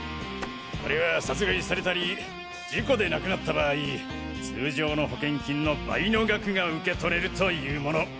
これは殺害されたり事故で亡くなった場合通常の保険金の倍の額が受け取れるというもの。